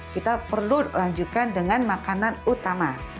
kita perlu lanjutkan dengan makanan utama